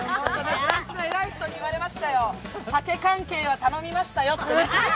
「ブランチ」の偉い人に言われましたよ、酒関係は頼みましたよと。